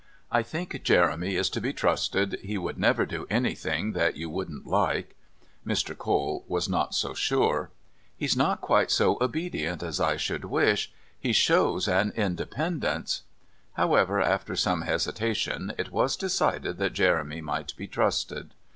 "I think Jeremy is to be trusted. He would never do anything that you wouldn't like." Mr. Cole was not so sure. "He's not quite so obedient as I should wish. He shows an independence " However, after some hesitation it was decided that Jeremy might be trusted.